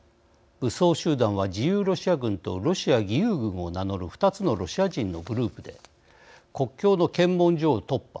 武装集団は、自由ロシア軍とロシア義勇軍を名乗る２つのロシア人のグループで国境の検問所を突破。